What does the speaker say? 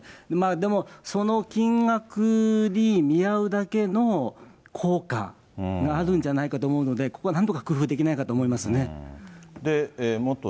でも、その金額に見合うだけの効果があるんじゃないかと思うので、ここはなんとか工夫できないのかなと思いますね。